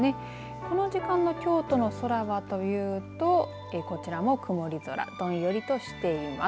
この時間の京都の空はというとこちらも曇り空どんよりとしています。